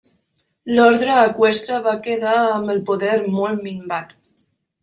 L'orde eqüestre va quedar amb el poder molt minvat.